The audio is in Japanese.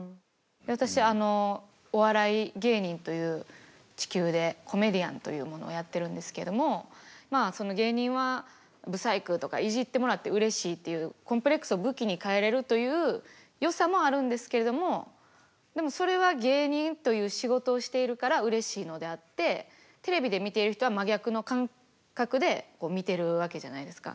私あのお笑い芸人という地球でコメディアンというものをやってるんですけども芸人は不細工とかいじってもらってうれしいっていうコンプレックスを武器に変えれるというよさもあるんですけれどもでもそれは芸人という仕事をしているからうれしいのであってテレビで見ている人は真逆の感覚で見てるわけじゃないですか。